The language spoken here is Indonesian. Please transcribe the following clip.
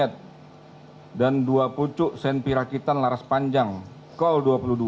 dan dua pucuk senpi rakitan laras panjang col dua puluh dua